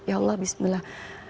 ya allah bismillah